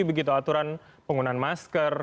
begitu aturan penggunaan masker